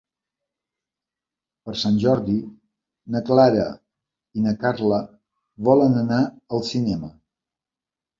Per Sant Jordi na Clara i na Carla volen anar al cinema.